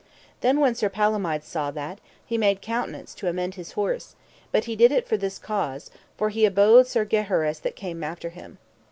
Then when Sir Palomides saw that, he made countenance to amend his horse, but he did it for this cause, for he abode Sir Gaheris that came after him.